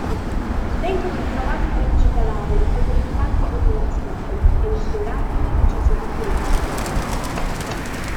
Vengono ritrovati tredici cadaveri con terrificanti mutilazioni ed inspiegabili incisioni chirurgiche.